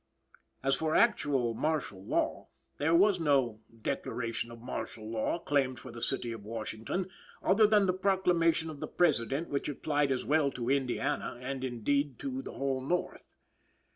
As for actual martial law, there was no declaration of martial law claimed for the City of Washington, other than the proclamation of the President which applied as well to Indiana, and, indeed, to the whole North.